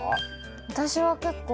私は結構。